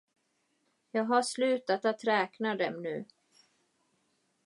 Jag har slutat att räkna dem nu.